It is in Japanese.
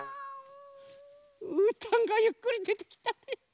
うーたんがゆっくりでてきたね。